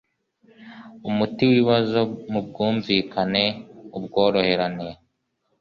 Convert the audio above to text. umuti w ibibazo mu bwumvikane ubworoherane